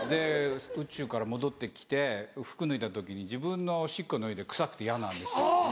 宇宙から戻って来て服脱いだ時に自分のおしっこのにおいで臭くて嫌なんですよ。